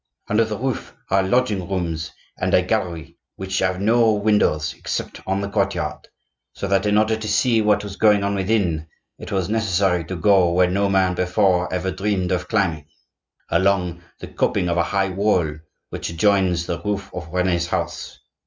Under the roof are lodging rooms and a gallery which have no windows except on the courtyard, so that in order to see what was going on within, it was necessary to go where no man before ever dreamed of climbing,—along the coping of a high wall which adjoins the roof of Rene's house.